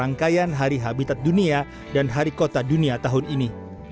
rangkaian hari habitat dunia dan hari kota dunia tahun ini